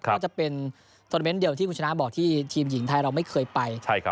ก็จะเป็นโทรเมนต์เดียวที่คุณชนะบอกที่ทีมหญิงไทยเราไม่เคยไป